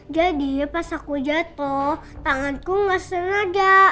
jadi pas aku jatuh tanganku gak senang aja